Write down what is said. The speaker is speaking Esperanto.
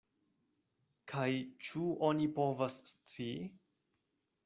Kaj ĉu oni povas scii?